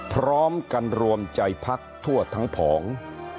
พร้อมกันรวมใจพักทั่วทั้งผอง